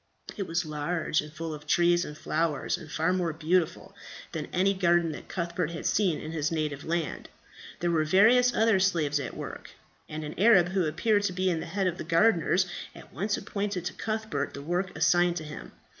It was large, and full of trees and flowers, and far more beautiful than any garden that Cuthbert had seen in his native land. There were various other slaves at work; and an Arab, who appeared to be the head of the gardeners, at once appointed to Cuthbert the work assigned to him.